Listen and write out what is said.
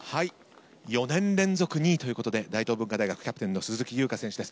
４年連続２位ということで大東文化大学に逆転の鈴木優花選手です